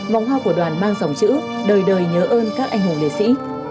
vòng hoa của đoàn mang dòng chữ đời đời nhớ ơn các anh hùng liệt sĩ